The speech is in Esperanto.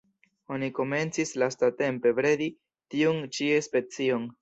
Oni komencis lastatempe bredi tiun ĉi specion.